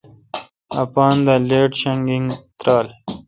اپان دا لیٹ شینانگ ترال